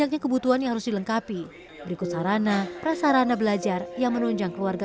jadi sekarang juga ragu ragu ini adalah memikirkan kalian untuk membuat fungsi yang baik untuk anda tenaga